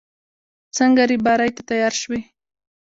څنګه رېبارۍ ته تيار شوې.